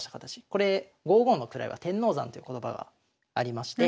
これ「５五の位は天王山」という言葉がありまして。